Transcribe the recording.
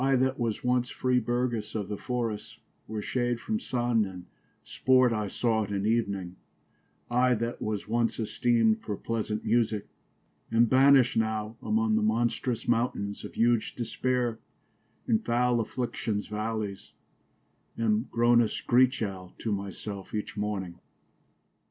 I that was once free burges of the forrests , Where shade from Sunne y and sports I sought at evening y I that was once esteem'd for pleasant musique y Am banisht now among the monstrous mountaines Of huge despaire y and foule afflictions vallies y Am growne a shrich owle to my selfe each morning.